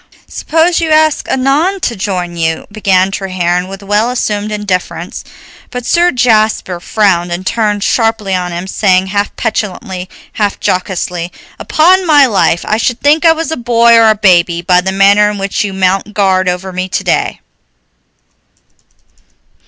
"Suppose you ask Annon to join you " began Treherne with well assumed indifference; but Sir Jasper frowned and turned sharply on him, saying, half petulantly, half jocosely: "Upon my life I should think I was a boy or a baby, by the manner in which you mount guard over me today.